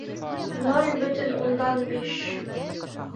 Ноль бөтөн ундан биш